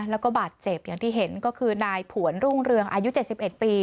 แล้วก็บาดเจ็บอย่างที่เห็นก็คือนายผวนรุ่งเรืองอายุ๗๑ปี